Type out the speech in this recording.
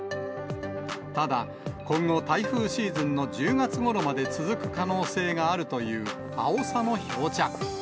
ただ、今後、台風シーズンの１０月ごろまで続く可能性があるというアオサの漂着。